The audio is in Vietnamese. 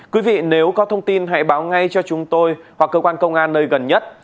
quý vị nếu có thông tin hãy báo ngay cho chúng tôi hoặc cơ quan công an nơi gần nhất